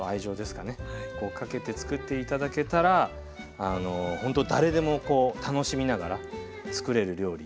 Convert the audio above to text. かけてつくって頂けたらほんと誰でも楽しみながらつくれる料理。